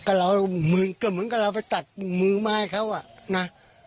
ก็เราก็เหมือนกับเราไปตัดมือไม้เขาอ่ะนะ